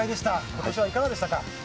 今年はいかがでしたか。